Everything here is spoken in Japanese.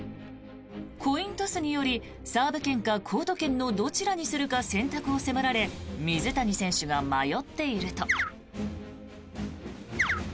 コイントスによりサーブ権かコート権のどちらにするか選択を迫られ水谷選手が迷っていると。